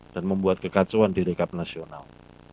dan membuat kekacauan di rekap nasional